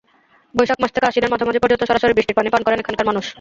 বৈশাখ মাস থেকে আশ্বিনের মাঝামাঝি পর্যন্ত সরাসরি বৃষ্টির পানি পান করেন এখানকার মানুষ।